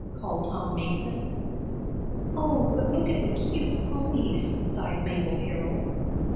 called Tom Mason. "Oh, but look at the cute ponies," sighed Mabel Herold.